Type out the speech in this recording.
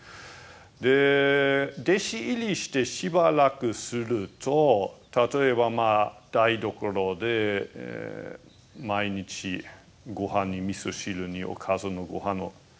で弟子入りしてしばらくすると例えばまあ台所で毎日ごはんにみそ汁におかずのごはんを作らなければいけない。